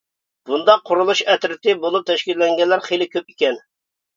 بۇنداق قۇرۇلۇش ئەترىتى بولۇپ تەشكىللەنگەنلەر خېلى كۆپ ئىكەن.